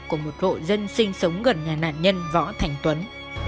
của một hộ dân sinh sống gần nhà nạn nhân võ thành tuấn